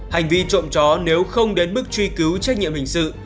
hành vi trộm chó nếu không đến mức truy cứu trách nhiệm hình sự